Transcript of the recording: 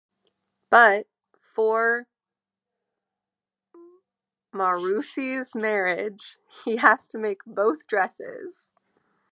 But...four Mourousi's marriage, he has to make both dresses.